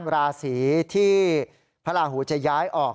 ราศีที่พระราหูจะย้ายออก